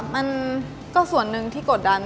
มันก็ส่วนหนึ่งที่กดดัน